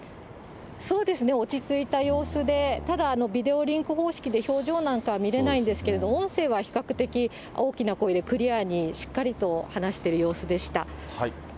そうですね、落ち着いた様子で、ただビデオリンク方式で、表情なんかは見れないんですけど、音声は比較的、大きな声で、クリアに、しっかりと話している様子でした。